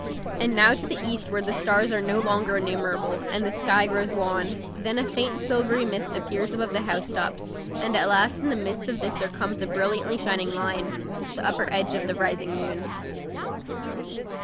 And now to the eastward the stars are no longer innumerable, and the sky grows wan. Then a faint silvery mist appears above the housetops, and at last in the midst of this there comes a brilliantly shining line the upper edge of the rising moon.